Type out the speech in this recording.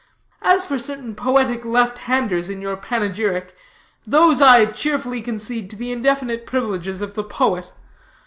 As for certain poetic left handers in your panegyric, those I cheerfully concede to the indefinite privileges of the poet.